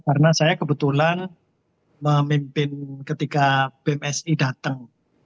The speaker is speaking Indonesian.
karena saya kebetulan memimpin ketika bmsi datang